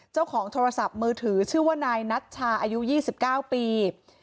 เจ้าของโทรศัพท์มือถือชื่อว่านายนัทชาอายุยี่สิบเก้าปี